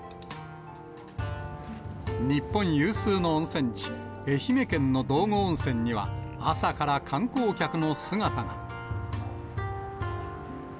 日本有数の温泉地、愛媛県の道後温泉には、朝から観光客の姿が。